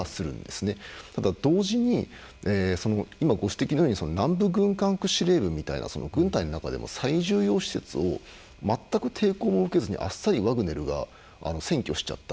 ただ同時に、ご指摘のように南部軍管区司令部みたいな軍隊の中でも最重要施設を全く抵抗も受けずにあっさりワグネルが占拠しちゃった。